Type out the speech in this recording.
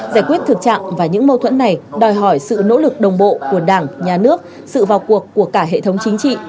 giải quyết thực trạng và những mâu thuẫn này đòi hỏi sự nỗ lực đồng bộ của đảng nhà nước sự vào cuộc của cả hệ thống chính trị